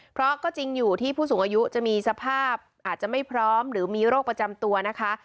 เพราะก็จริงอยู่ที่ผู้สูงอายุจะมีสภาพอาจจะไม่พร้อมหรือมีโรคประจำตัวนะคะ